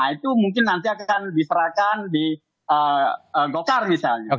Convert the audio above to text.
itu mungkin nanti akan diserahkan di golkar misalnya